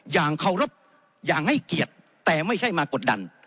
อย่างเคารพอย่างให้เกียรติแต่ไม่ใช่มากดดัน